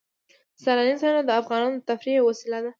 سیلاني ځایونه د افغانانو د تفریح یوه وسیله ده.